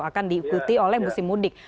akan diikuti oleh musim mudik